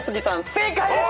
正解です！